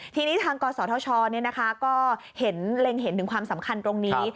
ทีนี้ทางกศธชก็เห็นเล็งเห็นถึงความสำคัญตรงนี้